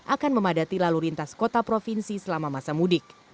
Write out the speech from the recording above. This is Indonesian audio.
akan memadati lalu lintas kota provinsi selama masa mudik